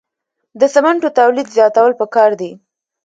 د سمنټو تولید زیاتول پکار دي